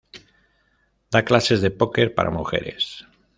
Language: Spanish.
Da clases de póquer para mujeres.